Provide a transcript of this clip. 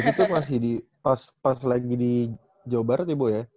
begitu pas lagi di jawa barat ya ibu ya